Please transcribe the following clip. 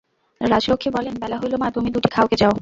রাজলক্ষ্মী বলেন, বেলা হইল মা, তুমি দুটি খাও গে যাও।